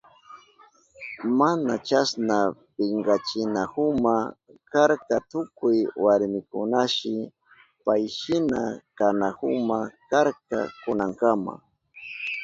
Mana chasna pinkachinahuma karka tukuy warmikunashi payshina kanahuma karka kunankama.